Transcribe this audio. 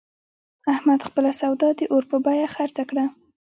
احمد خپله سودا د اور په بیه خرڅه کړه.